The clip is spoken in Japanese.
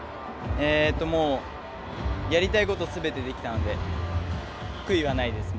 もう、やりたいことすべてできたので悔いはないです。